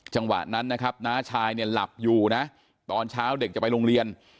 จังหวะนั้นนะครับน้าชายเนี่ยหลับอยู่นะตอนเช้าเด็กจะไปโรงเรียน